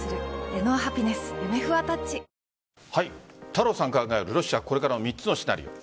太郎さんが考えるロシアのこれからの３つのシナリオ。